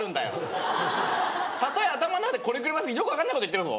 例え頭の中でこねくり回してよく分かんないこと言ってるぞ。